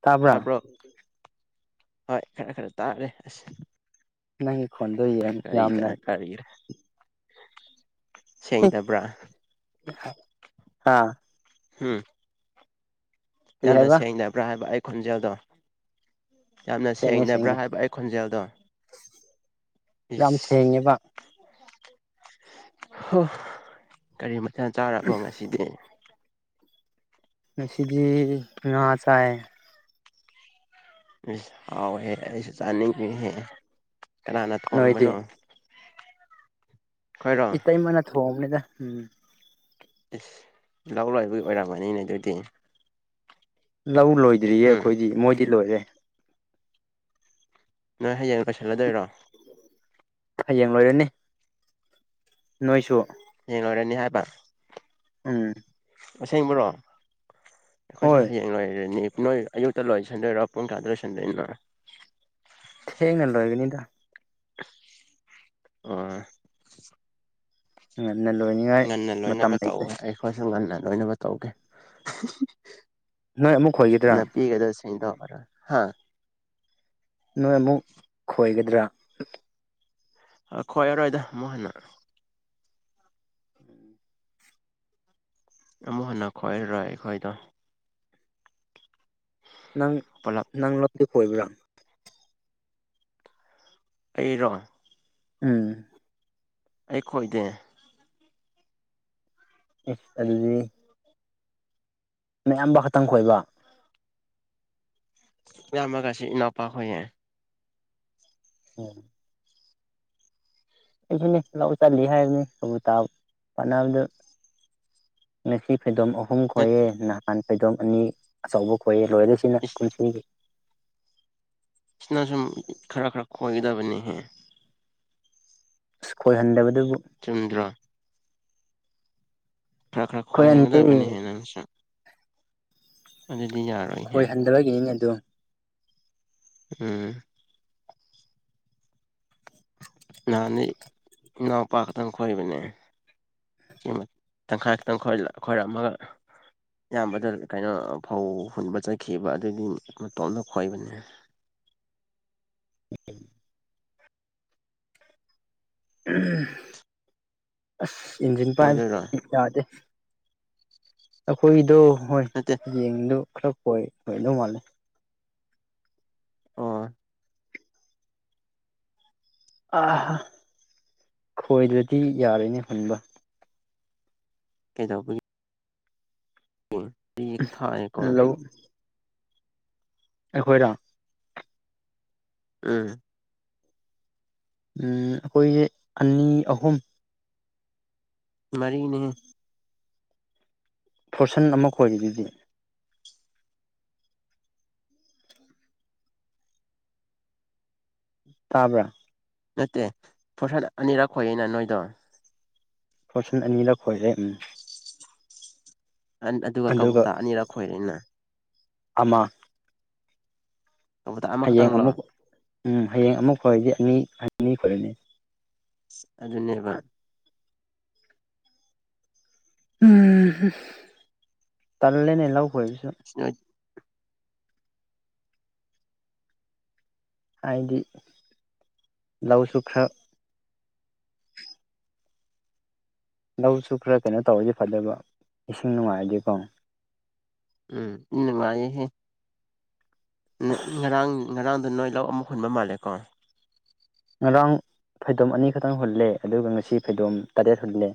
ꯇꯥꯕ꯭ꯔꯥ ꯇꯥꯕ꯭ꯔꯣ ꯍꯣꯏ ꯈꯔ ꯈꯔ ꯇꯥꯔꯦ ꯑꯁ ꯅꯪꯒꯤ ꯈꯣꯟꯗꯣ ꯌꯥꯝꯅ ꯍꯥꯏꯒꯤꯔꯦ ꯁꯦꯡꯗꯕ꯭ꯔꯥ ꯑꯥ ꯎꯝ ꯀꯔꯤ ꯌꯥꯝꯅ ꯍꯥꯏꯕ ꯁꯦꯡꯗꯕ꯭ꯔꯥ ꯍꯥꯏꯕ ꯑꯩ ꯈꯣꯟꯖꯦꯜꯗꯣ ꯌꯥꯝꯅ ꯁꯦꯡꯉꯦ ꯁꯦꯡꯗꯕ꯭ꯔꯥ ꯁꯦꯡꯉꯦ ꯍꯥꯏꯕ ꯑꯩ ꯈꯣꯟꯖꯦꯜꯗꯣ ꯌꯥꯝ ꯏꯁ ꯁꯦꯡꯉꯦꯕ ꯍ ꯀꯔꯤ ꯃꯊꯦꯜ ꯆꯥꯔꯕꯣ ꯉꯁꯤꯗꯤ ꯉꯁꯤꯗꯤ ꯉꯥ ꯆꯥꯏ ꯏꯁ ꯍꯥꯎꯋꯦꯍꯦ ꯑꯩꯁꯨ ꯆꯥꯅꯤꯡꯉꯦꯍꯦ ꯀꯅꯥꯅ ꯅꯣꯏꯗꯤ ꯊꯣꯡꯕꯅꯣ ꯑꯩꯈꯣꯏꯔꯣ ꯏꯇꯩꯃꯅ ꯊꯣꯡꯕꯅꯤꯗ ꯎꯝ ꯏꯁ ꯂꯧ ꯂꯣꯏꯕꯒꯤ ꯑꯣꯏꯔꯝꯃꯅꯤꯅꯦ ꯑꯗꯨꯗꯤ ꯂꯧ ꯂꯣꯏꯗ꯭ꯔꯤꯌꯦ ꯍꯨꯝ ꯑꯩꯈꯣꯏꯗꯤ ꯃꯣꯏꯗꯤ ꯂꯣꯏꯔꯦ ꯅꯣꯏ ꯍꯌꯦꯡ ꯂꯣꯏꯁꯤꯜꯂꯗꯣꯏꯔꯣ ꯍꯌꯦꯡ ꯂꯣꯏꯔꯅꯤ ꯅꯣꯏꯁꯨ ꯍꯥꯌꯦꯡ ꯂꯣꯏꯔꯅꯤ ꯍꯥꯏꯕ ꯎꯝ ꯑꯁꯦꯡꯕ꯭ꯔꯣ ꯑꯩꯈꯣꯏꯁꯨ ꯍꯣꯏ ꯍꯌꯦꯡ ꯂꯣꯏꯔꯅꯤ ꯅꯣꯏ ꯑꯌꯨꯛꯇ ꯂꯣꯏꯁꯟꯗꯣꯏꯔꯣ ꯄꯨꯡ ꯀꯌꯥꯗ ꯂꯣꯏꯁꯤꯟꯗꯣꯏꯅꯣ ꯊꯦꯡꯅ ꯂꯣꯏꯒꯅꯤꯗ ꯑꯣ ꯉꯟꯅꯥ ꯂꯣꯏ ꯉꯟꯅ ꯂꯣꯏꯅꯕ ꯇꯧꯑꯣ ꯍꯥꯏꯌꯣ ꯑꯩꯈꯣꯏꯁꯨ ꯉꯟꯅ ꯂꯣꯏꯅꯕ ꯇꯧꯒꯦ ꯅꯣꯏ ꯑꯃꯨꯛ ꯈꯣꯏꯒꯗ꯭ꯔꯥ ꯅꯥꯄꯤꯒꯗꯣ ꯁꯦꯡꯗꯣꯛꯑꯒ ꯍꯥ ꯅꯣꯏ ꯑꯃꯨꯛ ꯈꯣꯏꯒꯗ꯭ꯔꯥ ꯈꯣꯏꯔꯔꯣꯏꯗ ꯑꯃꯨꯛ ꯍꯟꯅ ꯎꯝ ꯑꯃꯨꯛ ꯍꯟꯅ ꯈꯣꯏꯔꯔꯣꯏ ꯑꯩꯈꯣꯏꯗꯣ ꯅꯪ ꯄꯨꯂꯞ ꯅꯪ ꯂꯣꯟꯗꯤ ꯈ‌ꯣꯏꯕ꯭ꯔꯥ ꯑꯩꯔꯣ ꯎꯝ ꯑꯩ ꯈꯣꯏꯗ‌ꯦ ꯑꯦꯁ ꯑꯗꯨꯗꯤ ꯃꯌꯥꯝꯕ ꯈꯛꯇꯪ ꯈꯣꯏꯕ ꯏꯌꯥꯝꯕꯒ ꯁꯤ ꯏꯅꯥꯎꯄꯥꯒ ꯈ‌ꯣꯏꯌꯦ [unintelligible] ꯑꯩꯁꯨꯅꯦ ꯂꯧ ꯆꯠꯂꯤ ꯍꯥꯏꯕꯅꯤ ꯁꯨꯝ ꯇꯥꯕ ꯐꯥꯟꯅꯕꯗ ꯉꯁꯤ ꯐꯩꯗꯣꯝ ꯑꯍꯨꯝ ꯈꯣꯏꯌꯦ ꯅꯍꯥꯟ ꯐꯩꯗꯣꯝ ꯑꯅꯤ ꯑꯆꯧꯕ ꯈꯣꯏꯌꯦ ꯂꯣꯏꯔ‌ꯦ ꯁꯤꯅ ꯀꯨꯝꯁꯤꯒꯤ ꯁꯤꯅ ꯁꯨꯝ ꯈꯔ ꯈꯔꯛ ꯈꯣꯏꯒꯗꯕꯅꯤꯍꯦ ꯑꯁ ꯈꯣꯏꯍꯟꯗꯕꯗꯨꯕꯨ ꯆꯨꯝꯗ꯭ꯔ‌ꯣ ꯈꯔ ꯈꯔꯛ ꯈꯣꯏꯍꯟꯗꯦ ꯈꯣꯏꯍꯟꯒꯗꯕꯅꯤꯍ‌ꯦ ꯅꯪꯁꯨ ꯑꯗꯨꯗꯤ ꯌꯥꯔꯣꯏ ꯈꯣꯏ ꯍꯟꯗꯕꯒꯤꯅꯤꯅꯦ ꯑꯗꯨꯝ ꯎꯝ ꯅꯍꯥꯟꯗꯩ ꯏꯅꯥꯎꯄꯥ ꯈꯛꯇꯪ ꯈꯣꯏꯕꯅꯦ ꯇꯪꯈꯥꯏ ꯈꯛꯇꯪ ꯈ‌ꯣꯏ ꯈꯣꯏꯔꯝꯃꯒ ꯏꯌꯥꯝꯕꯗ ꯀꯩꯅꯣ ꯐꯧ ꯍꯨꯟꯕ ꯆꯠꯈꯤꯕ ꯑꯗꯨꯒꯤ ꯃꯇꯣꯝꯇ ꯈꯣꯏꯕꯅꯦ ꯑꯁ ꯏꯟꯖꯤꯟ ꯄꯥꯏꯞ ꯑꯣꯏꯗꯣꯏꯔꯣ [unintelligible] ꯌꯥꯗꯦ ꯑꯩꯈꯣꯏꯗꯣ ꯍꯣꯏ ꯅꯠꯇꯦ ꯍꯌꯦꯡꯗꯣ ꯈꯔ ꯈꯣꯏ ꯈꯣꯏꯗꯧ ꯃꯥꯜꯂꯦ ꯑꯣ ꯑꯥ ꯈꯣꯏꯗ꯭ꯔꯗꯤ ꯌꯥꯔ‌ꯣꯏꯅꯦ ꯍꯨꯟꯕ ꯀꯩꯗꯧꯕ ꯒꯤ ꯄꯤ ꯊꯥꯥꯏꯌ‌ꯦꯀ‌ꯣ ꯂꯧ ꯑꯩꯈꯣꯏꯔ‌ꯣ ꯎꯝ ꯎꯝ ꯑꯩꯈꯣꯏ ꯑꯅꯤ ꯑꯍꯨꯝ ꯃꯔꯤꯅꯤꯍ‌ꯦ ꯐꯣꯔꯁꯟ ꯑꯃ ꯈ‌ꯣꯏꯔꯤꯗꯨꯗꯤ ꯇꯥꯕ꯭ꯔꯥ ꯅꯠꯇꯦ ꯐ‌ꯣꯔꯁꯟ ꯑꯅꯤꯔꯛ ꯈꯣꯏꯌ‌ꯦꯅꯥ ꯅꯣꯏꯗꯣ ꯐꯣꯔꯁꯟ ꯑꯅꯤꯔꯛ ꯈꯣꯏꯔꯦ ꯎꯝ ꯑꯟ ꯑꯗꯨꯒ ꯀꯕꯨꯇꯥ ꯑꯅꯤꯔꯛ ꯈꯣꯏꯔꯦꯅ ꯑꯃ ꯀꯕꯨꯇꯥ ꯍꯌꯦꯡ ꯑꯃꯈꯛꯇꯪꯂꯣ ꯑꯃꯨꯛ ꯎꯝ ꯍꯌꯦꯡ ꯑꯃꯨꯛ ꯈ‌ꯣꯏꯔꯗꯤ ꯑꯅꯤ ꯑꯅꯤ ꯈ‌ꯣꯏꯔꯅꯤ ꯑꯁ ꯑꯗꯨꯅꯦꯕ [unintelligible] ꯇꯜꯂ‌ꯦꯅ‌ꯦ ꯂꯧ ꯈ‌ꯣꯏꯕꯁꯨ [unintelligible] ꯍꯥꯏꯗꯤ ꯂꯧꯁꯨ ꯈꯔ ꯂꯧꯁꯨ ꯈꯔ ꯀꯩꯅꯣ ꯇꯧꯔꯗꯤ ꯐꯗꯕ ꯏꯁꯤꯡ ꯅꯨꯡꯉꯥꯏꯔꯗꯤꯀꯣ ꯎꯝ ꯏ ꯅꯨꯡꯉꯥꯏꯌ‌ꯦꯍ‌ꯦ [unintelligible] ꯉꯔꯥꯡ ꯉꯔꯥꯡꯗꯣ ꯅꯣꯏ ꯂꯧ ꯑꯃꯨꯛ ꯍꯨꯟꯕ ꯃꯥꯜꯂꯦꯀꯣ ꯉꯔꯥꯡ ꯐꯩꯗꯣꯝ ꯑꯅꯤꯈꯛꯇꯪ ꯍꯨꯜꯂꯦ ꯑꯗꯨꯒ ꯉꯁꯤ ꯐꯩꯗꯣꯝ ꯇꯔꯦꯠ ꯍꯨꯜꯂꯦ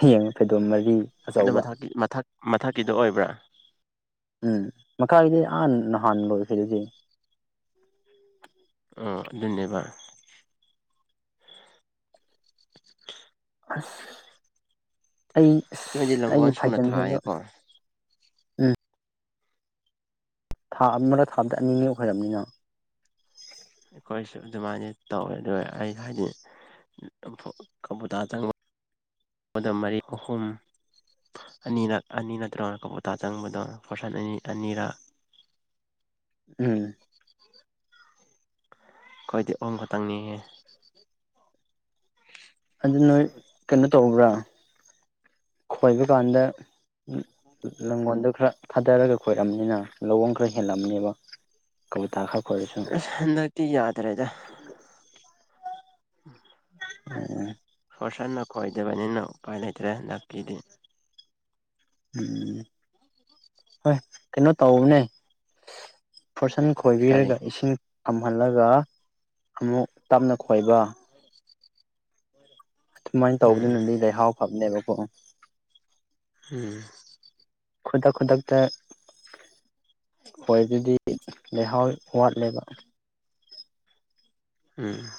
ꯍꯌꯦꯡ ꯐꯩꯗꯣꯝ ꯃꯔꯤ ꯑꯗꯨ ꯑꯆꯧꯕ ꯃꯊꯛꯀꯤ ꯃꯊꯛ ꯃꯊꯛꯀꯤꯗꯨ ꯑꯣꯏꯕ꯭ꯔꯥ ꯎꯝ ꯃꯈꯥꯒꯤꯗꯤ ꯑꯥ ꯅꯍꯥꯟ ꯂꯣꯏꯈꯔ‌ꯦ ꯗꯨꯗꯤ ꯑꯣ ꯑꯗꯨꯅꯦꯕ ꯑꯁ ꯑꯩ ꯅꯣꯏꯗꯤ ꯑꯁ ꯂꯪꯒꯣꯜ ꯑꯩꯒꯤ ꯁꯨꯅ ꯐꯥꯏꯒꯟꯁꯤꯗꯣ ꯊꯥꯏꯌꯦꯀꯣ ꯊꯥ ꯑꯃꯗ ꯊꯥꯗꯦꯑꯅꯤꯔꯛ ꯈꯣꯏ ꯔꯝ ꯅꯤꯅꯦ ꯑꯩꯈꯣꯏꯁꯨ ꯑꯗꯨꯃꯥꯏꯅ ꯇꯧꯋꯦ ꯑꯗꯨꯒ ꯑꯩ ꯍꯥꯏꯗꯤ ꯀꯕꯨꯇꯥ ꯆꯪ ꯃꯔꯤ ꯑꯍꯨꯝ ꯑꯅꯤꯔꯛ ꯑꯅꯤ ꯅꯠꯇ꯭ꯔꯣ ꯀꯕꯨꯇꯥ ꯆꯪꯕꯗꯣ ꯐꯣꯔꯁꯟ ꯑꯅꯤ ꯑꯅꯤꯔꯛ ꯎꯝ ꯑꯩꯈꯣꯏꯗꯤ ꯑꯍꯨꯝ ꯈꯛꯇꯪꯅꯤꯍꯦ ꯑꯗꯨ ꯅꯣꯏ ꯀꯩꯅꯣ ꯇꯧꯕ꯭ꯔꯥ ꯈꯣꯏꯕ ꯀꯥꯟꯗ ꯂꯪꯒꯣꯜꯗꯣ ꯈꯔ ꯊꯥꯗꯔꯒ ꯈꯣꯏꯔꯝꯅꯤꯅ ꯂꯥꯪꯒꯣꯟ ꯈꯔ ꯍꯦꯜꯂꯝꯅꯦꯕ ꯀꯕꯨꯇꯥ ꯈꯔ ꯈꯣꯏꯔꯁꯨ ꯍꯟꯗꯛꯇꯤ ꯌꯥꯗ꯭ꯔꯦꯗ ꯎꯝ ꯐꯣꯔꯁꯟꯅ ꯈꯣꯏꯗꯕꯅꯤꯅ ꯎꯄꯥꯏ ꯂꯩꯇ꯭ꯔꯦ ꯍꯟꯗꯛꯀꯤꯗꯤ ꯎꯝ ꯍꯣꯏ ꯀꯩꯅꯣ ꯇꯧꯕꯅꯦ ꯐꯣꯔꯁꯟ ꯀꯔꯤ ꯈꯣꯏꯕꯤꯔꯒ ꯏꯁꯤꯡ ꯄꯨꯝꯍꯜꯂꯒ ꯑꯃꯨꯛ ꯇꯞꯅ ꯈꯣꯏꯕ ꯎꯝ ꯎꯝ ꯑꯗꯨꯃꯥꯏꯅ ꯇꯧꯗꯨꯅꯗꯤ ꯂꯩꯍꯥꯎ ꯐꯕꯅꯦꯕꯀꯣ ꯎꯝ ꯈꯨꯗꯛ ꯈꯨꯗꯛꯇ ꯑꯩꯈꯣꯏ ꯑꯗꯨꯗꯤ ꯂꯩꯍꯥꯎ ꯋꯥꯠꯂꯦꯕ ꯎꯝ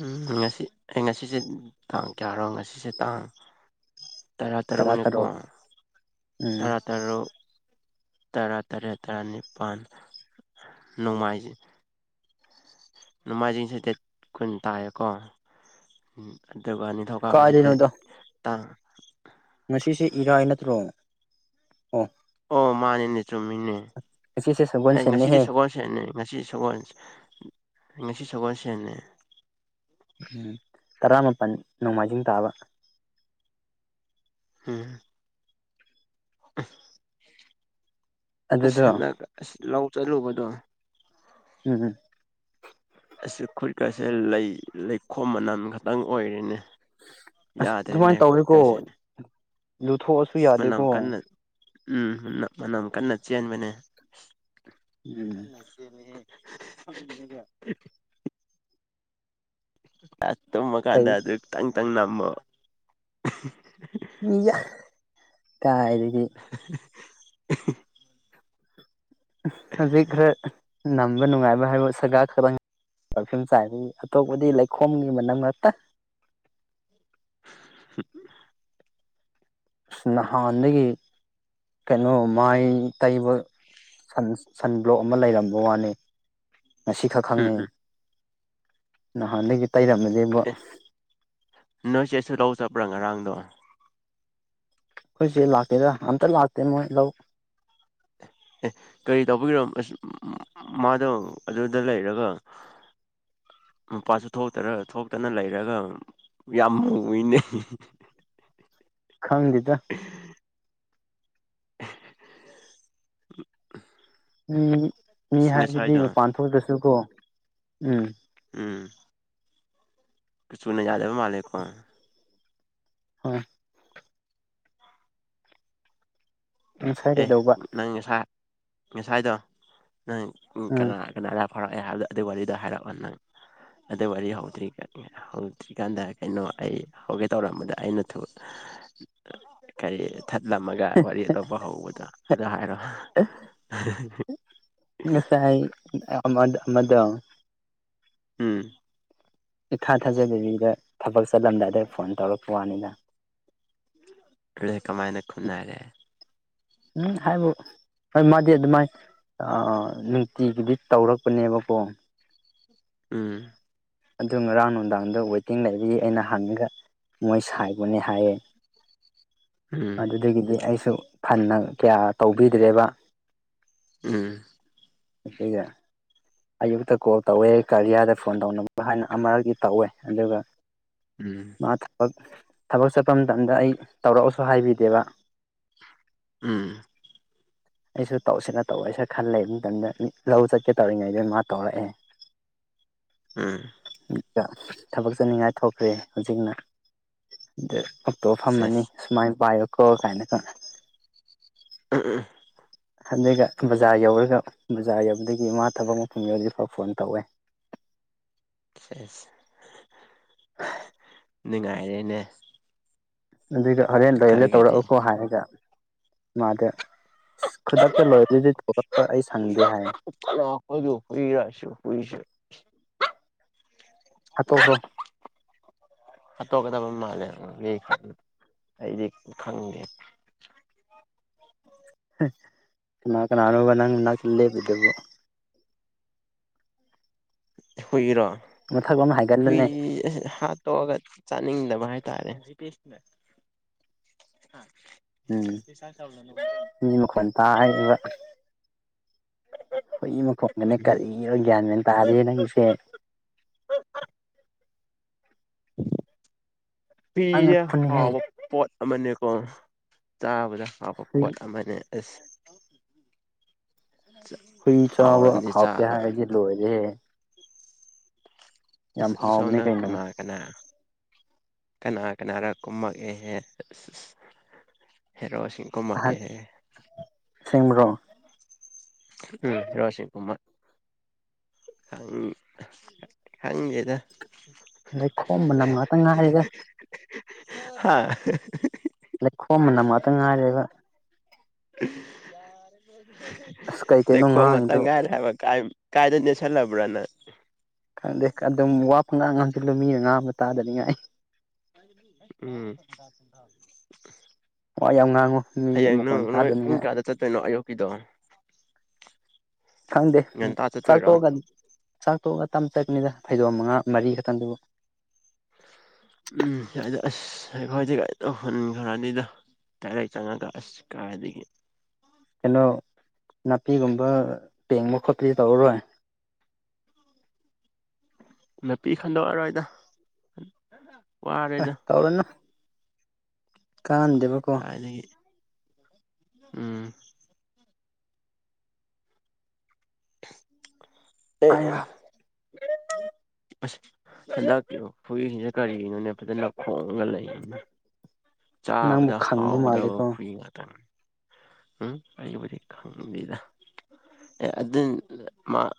ꯎꯝ ꯉꯁꯤ ꯑꯩ ꯉꯁꯤꯁꯦ ꯇꯥꯡ ꯀꯌꯥꯔꯣ ꯉꯁꯤꯁꯦ ꯇꯥꯡ ꯇꯔꯥ ꯇꯔꯨꯛꯅꯤꯀꯣ ꯎꯝ ꯇꯔꯥꯇꯔ ꯇꯔꯨꯛ ꯇꯔꯥ ꯇꯔꯦꯠ ꯇꯔꯥꯅꯤꯄꯥꯜ ꯅꯣꯡꯃꯥꯏꯖꯤꯡ ꯅꯣꯡꯃꯥꯏꯖꯤꯡ ꯆꯇꯦꯠ ꯀꯨꯟ ꯇꯥꯏꯌꯦꯀꯣ ꯑꯗꯨꯒ ꯅꯤꯡꯅꯤꯊꯧ ꯀꯁ ꯗꯦꯠ ꯀꯥꯏꯗꯩꯅꯣꯗ ꯇꯥꯡ ꯉꯁꯤꯁꯦ ꯏꯔꯥꯏ ꯅꯠꯇ꯭ꯔꯣꯅꯦ ꯑꯣ ꯃꯥꯅꯦꯅꯦ ꯆꯨꯝꯃꯤꯅꯦ ꯉꯁꯤꯁꯦ ꯑꯩ ꯉꯁꯤꯗꯤ ꯁꯒꯣꯜꯁꯦꯟꯅꯦꯍꯦ ꯁꯒꯣꯜ ꯁꯦꯠꯅꯩ ꯉꯁꯤ ꯁꯒꯣꯜ ꯉꯁꯤ ꯁꯒꯣꯜ ꯁꯦꯠꯟꯅꯩ ꯎꯝ ꯇꯔꯥꯃꯥꯄꯜ ꯅꯣꯡꯃꯥꯏꯖꯤꯡ ꯇꯥꯕ ꯍꯝ ꯑꯗꯨꯗꯣ ꯑꯁ ꯑꯁ ꯂꯧ ꯆꯠꯂꯨꯕꯗꯣ ꯎꯝ ꯎꯝ ꯑꯁꯤ ꯈꯨꯠꯀꯁꯦ ꯂꯩ ꯂꯩꯈꯣꯝ ꯃꯅꯝ ꯈꯛꯇꯪ ꯑꯣꯏꯔꯤꯅꯤ ꯑꯁ ꯌꯥꯗ꯭ꯔꯦꯅꯦ ꯑꯗꯨꯃꯥꯏꯅ ꯇꯧꯋꯦꯀꯣ ꯈꯨꯠꯀꯁꯤ ꯂꯨꯊꯣꯛꯑꯁꯨ ꯃꯅꯝ ꯌꯥꯗꯦꯀꯣ ꯀꯟꯅ ꯎꯝ ꯃꯅꯝ ꯀꯟꯅ ꯆꯦꯟꯕꯅꯦ ꯎꯝ [unintelligible] ꯀꯩ ꯇꯨꯝꯃꯀꯥꯟꯗ ꯑꯗꯨꯈꯤꯇꯪ ꯇꯪ ꯅꯝꯃꯣ ꯃꯤ ꯀꯥꯏꯗꯒꯤ [unintelligible] ꯍꯧꯖꯤꯛ ꯈꯔ ꯅꯝꯕ ꯅꯨꯡꯉꯥꯏꯕ ꯍꯥꯏꯕ ꯁꯒꯥ ꯈꯪ ꯄꯔꯐ꯭ꯌꯨꯝ ꯆꯥꯏꯗꯒꯤ ꯑꯇꯣꯞꯄꯗꯤ ꯂꯩꯈꯣꯝꯒꯤ ꯃꯅꯝ ꯉꯛꯇ [unintelligible] ꯅꯍꯥꯟꯗꯒꯤ ꯀꯩꯅꯣ ꯃꯥꯏ ꯇꯩꯕ ꯁꯟ ꯁꯟ ꯕ꯭ꯂꯣꯛ ꯑꯃ ꯂꯩꯔꯝꯕ ꯋꯥꯅꯤ ꯉꯁꯤꯈꯛ ꯎꯝ ꯈꯪꯉꯤ ꯎꯝ ꯅꯍꯥꯟꯗꯒꯤ ꯇꯩꯔꯝꯃꯗꯤꯦꯕꯨ ꯑꯦ ꯅꯣꯏ ꯆꯦ ꯁꯗꯧ ꯆꯠꯄ꯭ꯔꯥ ꯉꯔꯥꯡꯗꯣ ꯑꯩꯈꯣꯏꯁꯦ ꯂꯥꯛꯇꯦꯗ ꯑꯝꯇ ꯂꯥꯛꯇꯦ ꯃꯣꯏ ꯂꯧ ꯎ ꯀꯔꯤ ꯇꯧꯕꯤꯔ ꯑ ꯃꯥꯗꯣ ꯑꯗꯨꯗ ꯂꯩꯔꯒ ꯃꯄꯥꯁꯨ ꯊꯣꯛꯇꯔ ꯊꯣꯛꯇꯅ ꯂꯩꯔꯒ ꯌꯥꯝ ꯃꯨꯏꯅꯩ ꯈꯪꯗꯦꯗ ꯃꯤ ꯃꯤ ꯑꯁ ꯍꯥꯏꯗꯨꯗꯤ ꯉꯁꯥꯏꯗꯣ ꯃꯄꯥꯟ ꯊꯣꯛꯗ꯭ꯔꯁꯨꯀꯣ ꯎꯝ ꯎꯝ ꯀꯁꯨꯅꯦ ꯌꯥꯗꯦꯕ ꯃꯥꯂꯦꯀꯣ ꯍꯣꯏ ꯉꯁꯥꯏ ꯑꯦ ꯀꯩꯗꯧꯕ ꯅꯪ ꯉꯁꯥꯏ ꯉꯁꯥꯏꯗꯣ ꯅꯪ ꯎꯝ ꯀꯅꯥ ꯀꯅꯥ ꯑꯗ ꯐꯔꯛꯑꯦ ꯍꯥꯏꯕꯗꯣ ꯑꯗꯨ ꯋꯥꯔꯤꯗ ꯍꯥꯏꯔꯛꯑꯣ ꯅꯪ ꯑꯗꯨ ꯋꯥꯔꯤ ꯍꯧꯗ꯭ꯔꯤ ꯍꯧꯗ꯭ꯔꯤꯀꯥꯟꯗ ꯀꯩꯅꯣ ꯑꯩ ꯍꯧꯒꯦ ꯇꯧꯔꯛꯝꯕꯗ ꯑꯩꯅ ꯀꯔꯤ ꯊꯠꯂꯝꯃꯒ ꯋꯥꯔꯤ ꯑꯇꯣꯞꯄ ꯍꯧꯕꯗꯣ ꯑꯗꯨꯗ ꯍꯥꯏꯔꯣ ꯁꯥꯏ ꯑꯃꯗ ꯎꯝ ꯏꯈꯥ ꯊꯥꯖꯗꯕꯤꯗ ꯊꯕꯛ ꯆꯠꯂꯝꯗꯥꯏ ꯑꯗꯏ ꯐꯣꯟ ꯇꯧꯔꯛꯄ ꯋꯥꯅꯤꯗ ꯀꯃꯥꯏꯅ ꯈꯨꯅꯔꯦ ꯎꯝ ꯍꯥꯏꯕ ꯍꯣꯏ ꯃꯥꯗꯤ ꯑꯗꯨꯃꯥꯏ ꯅꯨꯡꯇꯤꯒꯤꯗꯤ ꯇꯧꯔꯛꯄꯅꯦꯕꯀꯣ ꯎꯝ ꯑꯗꯨ ꯉꯔꯥꯡ ꯅꯨꯡꯗꯥꯡꯗ ꯋꯦꯇꯤꯡ ꯂꯩꯕꯒꯤ ꯑꯩꯅ ꯍꯪꯉꯒ ꯃꯣꯏ ꯁꯥꯏꯕꯅꯦ ꯍꯥꯏꯌꯦ [unintelligible] ꯎꯝ ꯑꯗꯨꯗꯒꯤꯗꯤ ꯑꯩꯁꯨ ꯍꯟꯅ ꯀꯌꯥ ꯇꯧꯕꯤꯗ꯭ꯔꯦꯕ ꯎꯝ ꯑꯗꯨꯒ ꯑꯌꯨꯛꯇ ꯀꯣꯜ ꯇꯧꯋꯦ ꯀꯔꯤꯌꯥꯔꯗ ꯐꯣꯟ ꯇꯧꯅꯕ ꯍꯥꯏꯅ ꯑꯃꯔꯛꯗꯤ ꯇꯧꯋꯦ ꯑꯗꯨꯒ ꯎꯝ ꯃꯥ ꯊꯕꯛ ꯊꯕꯛ ꯆꯠꯄ ꯃꯇꯝꯗ ꯑꯩ ꯇꯧꯔꯛꯑꯁꯨ ꯍꯥꯏꯕꯤꯗꯦꯕ ꯎꯝ ꯑꯩꯁꯨ ꯇꯧꯁꯤꯅ ꯇꯧꯑꯣꯏꯁꯤꯔ ꯈꯟꯂ ꯂꯩꯕ ꯃꯇꯝꯗ ꯂꯧ ꯆꯠꯀꯦ ꯇꯧꯔꯤꯉꯩ ꯑꯗꯨ ꯃꯥ ꯇꯧꯔꯑꯧ ꯎꯝ ꯊꯕꯛ ꯆꯠꯅꯤꯡꯉꯥꯏ ꯊꯣꯛꯈ꯭ꯔꯦ ꯍꯧꯖꯤꯛꯅ ꯑ ꯑꯇꯣꯞ ꯐꯝꯃꯅꯤ ꯁꯦꯁ ꯁꯨꯃꯥꯏꯅ ꯄꯥꯏꯌꯣ ꯀꯣ ꯀꯥꯏꯅ ꯈꯪꯅꯦ ꯎ ꯎ ꯍꯟꯗꯒ ꯕꯖꯥꯔ ꯌꯧꯔꯒ ꯕꯖꯥꯔ ꯌꯧꯕꯗꯒꯤ ꯃꯥ ꯊꯕꯛ ꯃꯐꯝ ꯌꯧꯗꯤꯐꯥꯎ ꯐꯣꯟ ꯇꯧꯋꯦ ꯅꯨꯡꯉꯥꯏꯔꯦꯅꯦ ꯑꯗꯨꯒ ꯍꯣꯔꯦꯟ ꯂꯣꯏꯔ ꯈꯔꯒꯗꯤ ꯇꯧꯔꯛꯎꯀꯣ ꯍꯥꯏꯔꯒ ꯃꯥꯗ ꯈꯨꯗꯛꯇ ꯂꯣꯏꯔꯗꯗꯤꯄ ꯑꯩ ꯁꯪꯗꯦ ꯍꯥꯏ ꯍꯂꯣ ꯃꯣꯏꯖꯨ ꯀꯤꯔꯤꯔ ꯍꯥꯠꯇꯣꯛꯈ꯭ꯔꯣ ꯍꯥꯠꯇꯣꯛꯀꯗꯕ ꯃꯥꯜꯂꯦ ꯑꯩꯗꯤ ꯈꯪꯗꯦ ꯃꯥ ꯀꯅꯥꯅꯕ ꯅꯪꯅꯥ ꯂꯦꯕꯤꯗꯕꯨꯣ ꯍꯨꯏꯔꯣ ꯃꯊꯛ ꯑꯃ ꯍꯨꯏ ꯍꯥꯏꯒꯠꯂꯨꯅꯦ ꯇꯣꯛꯑꯒ ꯆꯥꯅꯤꯡꯗꯕ ꯍꯥꯏꯇꯥꯔꯦ ꯎꯝ ꯁꯥꯏ ꯆꯕꯅ ꯃꯤ ꯃꯈꯣꯟ ꯇꯥꯕ ꯍꯨꯏ ꯃꯈꯣꯡꯗꯅꯦ ꯎꯝ ꯀꯔꯤ ꯑꯣꯏ ꯒ꯭ꯌꯥꯟ ꯃꯦꯟ ꯇꯥꯗꯦꯅꯦ ꯅꯪꯁꯦ ꯎꯤꯖꯦ ꯑꯉꯛꯄꯅꯤꯍꯦ ꯍꯥꯎꯕ ꯄꯣꯠ ꯑꯃꯅꯦꯀꯣ ꯆꯥꯕꯗ ꯍꯥꯞꯄ ꯍꯨꯏ ꯄꯣꯠ ꯑꯃꯅꯦ ꯑꯁ ꯍꯨꯏ ꯆꯥꯕ ꯍꯥꯎꯔꯅꯤ ꯍꯥꯞꯇꯦ ꯆꯥꯕ ꯍꯥꯏꯔꯗꯤꯦ ꯂꯣꯏꯔꯦ ꯌꯥꯝ ꯍꯥꯎꯕꯅꯦ ꯁꯣꯅ ꯀꯩꯅꯣ ꯀꯅꯥ ꯀꯅꯥ ꯀꯅꯥ ꯀꯅꯥꯔ ꯀꯨꯝꯃꯛꯑꯦꯍꯦ ꯑ ꯍꯦꯔ ꯋꯥꯁꯤꯡ ꯀꯃ ꯑꯦꯍꯦ ꯁꯤ꯭ꯔꯣ ꯎꯝ ꯔꯣꯁꯤ ꯀꯨꯃꯥ ꯈ ꯂꯩꯣꯏꯗ ꯑꯗꯩ ꯈꯣꯝꯕꯅꯝ ꯉꯥꯛꯇꯪ ꯉꯥꯏꯔꯒ ꯑꯥ ꯂꯩꯈꯣꯝꯝꯕꯅ ꯑꯃꯥꯛꯇ ꯉꯥꯏꯔꯔꯤꯕ ꯍ [unintelligible] ꯀꯩꯅꯣ ꯂꯩꯈꯣꯡ ꯉꯥꯛꯇꯪ ꯉꯥꯡꯉꯤꯗꯣ ꯉꯥꯏꯔꯦ ꯍꯥꯏꯕ ꯀꯥꯏꯗ ꯅꯦꯟꯁꯜꯂꯕ꯭ꯔꯅ ꯈꯪꯗꯦ ꯑꯗꯨꯝ ꯋꯥ ꯄꯪ ꯉꯥꯡ ꯉꯁꯤꯂꯃꯤ ꯃ ꯉꯥ ꯑꯃ ꯇꯥꯗꯅꯤꯡꯉꯥꯏ ꯑꯩ ꯎꯝ ꯍ ꯌꯥꯝ ꯉꯥꯡꯉꯨ ꯃꯤ ꯃꯈꯣꯟ ꯇꯥꯗꯅꯤꯉꯥꯏ ꯆꯇꯩꯅ ꯑꯌꯨ ꯀꯤꯗ ꯈꯪꯗꯦ ꯆꯥꯛꯊꯣꯛꯑꯒ ꯆꯥꯛꯊꯣꯛꯑꯒ ꯇꯝ ꯆꯠꯀꯅꯤꯗ ꯐꯩꯗꯣꯝ ꯃꯉꯥ ꯃꯔꯤ ꯈꯛꯇꯪꯗꯨꯕꯨ ꯎꯝ ꯌꯥꯗ ꯑꯁ ꯍꯥꯏꯈ ꯍꯥꯏꯗꯤ ꯀ ꯇꯧ ꯍꯟꯈ꯭ꯔꯅꯤꯗꯣ ꯇꯔꯦ ꯆꯪꯉꯒ ꯑꯁ ꯀꯥꯏꯗꯒꯤ ꯀꯩꯅꯣ ꯅꯥꯄꯤꯒꯨꯝꯕ ꯇꯦꯡꯕ ꯈꯣꯠꯄꯗꯤ ꯇꯧꯔꯔꯣꯏ ꯅꯥꯄꯤ ꯈꯟꯗꯣꯛꯑꯔꯣꯏꯗ ꯋꯥ ꯑ ꯇꯧꯔꯅ ꯀꯥꯟꯗꯦꯕ ꯇꯥꯏꯅꯗꯒꯤ ꯎꯝ ꯑꯌꯥ ꯑꯦ [unintelligible] ꯑꯁ ꯍꯟꯗꯛꯀꯤ ꯐꯨꯏꯁꯤꯁꯦ ꯀꯔꯤꯒꯤꯅꯣꯅꯦ ꯐꯖꯅ ꯂ ꯈꯣꯡꯉꯒ ꯂꯩꯅ ꯅꯪꯕꯨ ꯆꯥꯕꯗ ꯈꯪꯕ ꯍꯥꯎꯗꯏ ꯃꯥꯜꯂꯦꯀꯣ ꯉ ꯃꯇꯝ ꯎꯝ ꯑꯩ ꯈ ꯂꯩꯗ ꯑꯦ ꯑꯗꯨ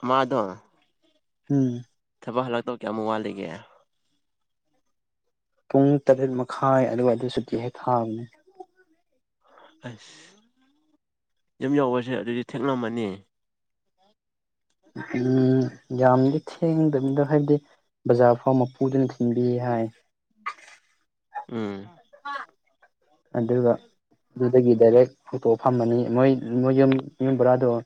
ꯃꯥꯗꯣ ꯎꯝ ꯊꯕꯛ ꯍꯜꯂꯛꯇꯧ ꯀꯌꯥ ꯑꯃꯨꯛ ꯋꯥꯠꯂꯤꯒꯦ ꯄꯨꯡ ꯇꯔꯦꯠ ꯃꯈꯥꯏ ꯑꯗꯨꯒ ꯑꯗꯨ ꯁꯨꯇꯤ ꯍꯦꯛ ꯊꯥꯕꯅꯦ ꯑꯁ ꯌꯨꯝ ꯌꯎꯕꯁꯦ ꯑꯗꯨꯗꯤ ꯊꯦꯛꯂꯝꯝꯃꯅꯤ ꯎꯝ ꯌꯥꯝꯗꯤ ꯊꯦꯡꯗꯅꯤꯗ ꯍꯥꯏꯗꯤ ꯕꯖꯥꯔ ꯐꯥꯎꯕ ꯄꯨꯗꯨꯅ ꯊꯤꯟꯕꯤ ꯍꯥꯏ ꯎꯝ ꯑꯗꯨꯒ ꯑꯗꯨꯗꯒꯤ ꯗꯥꯏꯔꯦꯛ ꯐꯣꯇꯣ ꯐꯝꯃꯅꯤ ꯃꯣꯏ ꯃꯣꯏ ꯌꯦꯨꯝꯕꯔꯥꯗ